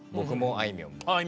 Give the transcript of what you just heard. あいみょんもああ